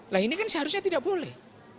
nah ini kan seharusnya tidak boleh